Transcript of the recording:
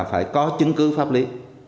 phải có chứng cứ pháp lý